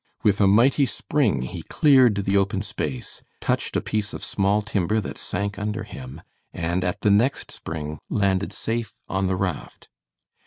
With a mighty spring he cleared the open space, touched a piece of small timber that sank under him, and at the next spring landed safe on the raft.